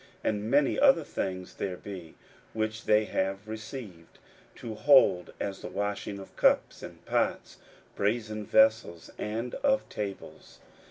And many other things there be, which they have received to hold, as the washing of cups, and pots, brasen vessels, and of tables.